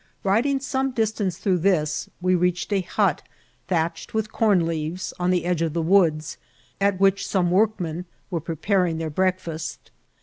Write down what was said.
Riding some distance through this, we reached a hut, thatched with corn leaves, on the edge of the woods, at which some workmen were preparing their breakfast.